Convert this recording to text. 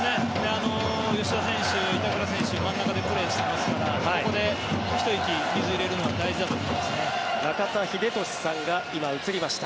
吉田選手、板倉選手真ん中でプレーしていますからここでひと息、水を入れるのは大事だと思います。